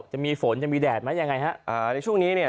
จะมีฝนจะมีแดดไหมยังไงฮะอ่าในช่วงนี้เนี่ย